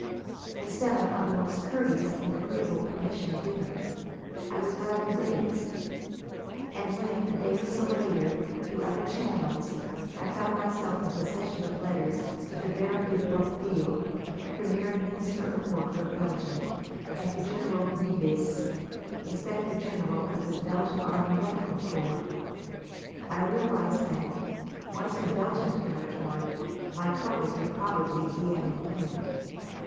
Instead, I found a most courteous and agreeable permission given. I was rather dazed. And when, a day or so later, through other channels, I found myself in possession of letters to the Baron de Broqueville, Premier and Minister of War for Belgium, and to General Melis, Inspector General of the Belgian Army Medical Corps, I realised that, once in Belgian territory, my troubles would probably be at an end.